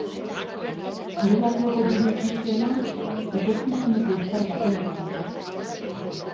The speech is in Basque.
Kirol arloko bideo ikusiena, etorkizuneko izar batena izan da.